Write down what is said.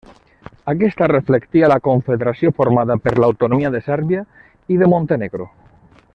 Aquesta reflectia la confederació formada per l'autonomia de Sèrbia i de Montenegro.